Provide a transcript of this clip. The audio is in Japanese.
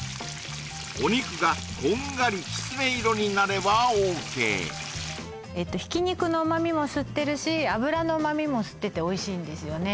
お肉がこんがりきつね色になればＯＫひき肉の旨味も吸ってるしあぶらの旨味も吸ってておいしいんですよね